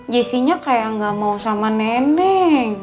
jessy nya kayak gak mau sama nenek